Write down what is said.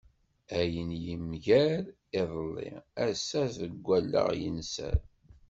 Ayen yemger iḍelli, ass-a seg wallaɣ yenser.